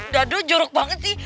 dada jorok banget sih